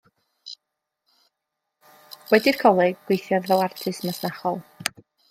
Wedi'r coleg, gweithiodd fel artist masnachol.